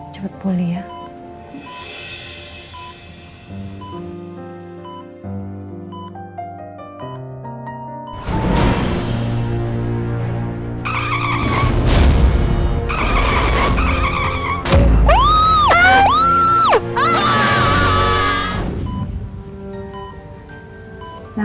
kalau aku menjelaskan iya